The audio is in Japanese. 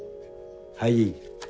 はい。